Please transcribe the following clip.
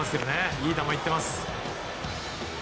いい球が行っています。